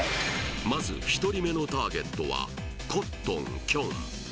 まず１人目のターゲットはコットンきょん